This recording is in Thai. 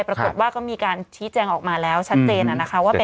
ปรากฏว่าก็มีการชี้แจงออกมาแล้วชัดเจนนะคะว่า